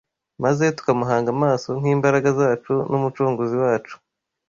maze tukamuhanga amaso nk’imbaraga zacu n’Umucunguzi wacu